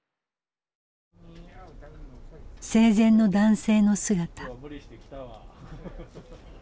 生前の男性の姿。